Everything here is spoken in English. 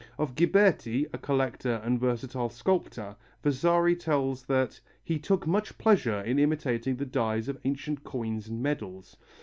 Of Ghiberti, a collector and versatile sculptor, Vasari tells that "he took much pleasure in imitating the dies of ancient coins and medals."